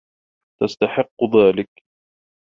تستحق ذلك.